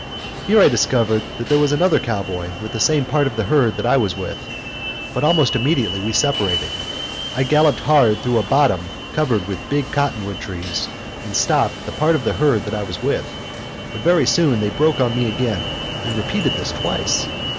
Here I discovered that there was another cowboy with the same part of the herd that I was with; but almost immediately we separated. I galloped hard through a bottom covered with big cottonwood trees, and stopped the part of the herd that I was with, but very soon they broke on me again, and repeated this twice.